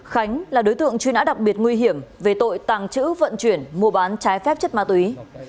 khánh là đối tượng truy nã đặc biệt nguy hiểm về tội tàng trữ vận chuyển mua bán trái phép chất ma túy